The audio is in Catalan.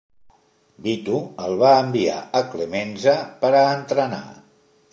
Vito el va enviar a Clemenza per a entrenar.